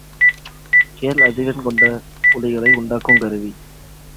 கேள் அதிர்வெண் கொண்ட ஒலிகளை உண்டாக்குங் கருவி.